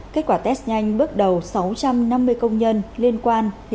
kết quả test nhanh bước đầu sáu trăm năm mươi